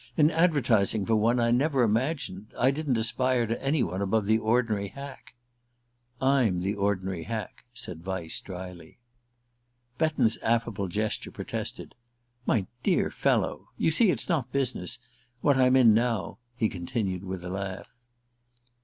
In advertising for one I never imagined I didn't aspire to any one above the ordinary hack." "I'm the ordinary hack," said Vyse drily. Betton's affable gesture protested. "My dear fellow . You see it's not business what I'm in now," he continued with a laugh.